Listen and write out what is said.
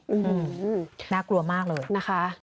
อืมน่ากลัวมากเลยนะคะ